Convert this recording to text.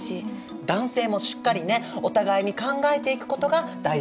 男性もしっかりねお互いに考えていくことが大事ですよね。